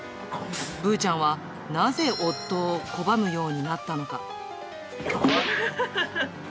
ぶーちゃんは、なぜ夫を拒むようになったのか。